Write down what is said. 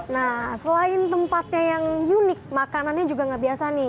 nah selain tempatnya yang unik makanannya juga nggak biasa nih